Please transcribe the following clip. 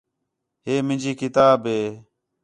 ہے مینجی کتاب ہے